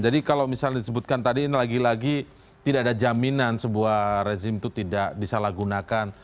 jadi kalau misalnya disebutkan tadi ini lagi lagi tidak ada jaminan sebuah rezim itu tidak disalahgunakan